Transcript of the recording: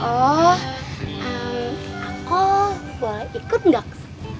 boleh ikut gak